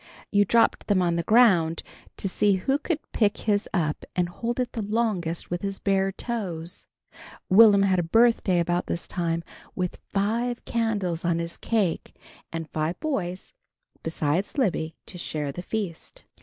You dropped them on the ground to see who could pick his up and hold it the longest with his bare toes. Will'm had a birthday about this time, with five candles on his cake and five boys, besides Libby, to share the feast.